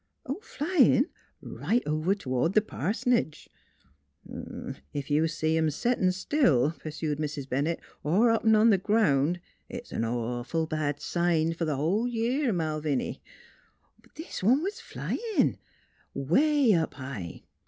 " Flyin' right over towards th' pars'nage !"" Ef you see 'em settin' still," pursued Mrs. Bennett, " or hoppin' on th' ground it's a 'nawful bad sign f'r th' whole year, Malviny." " This one was flyin' 'way up high."